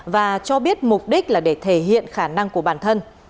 và cho biết mục đích là để thể hiện khả năng của bản thân